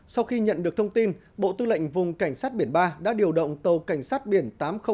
sau khi nhận được thông tin bộ tư lệnh vùng cảnh sát biển ba đã điều động tàu cảnh sát biển tám trăm linh